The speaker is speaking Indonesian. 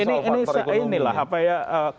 ini lah apa ya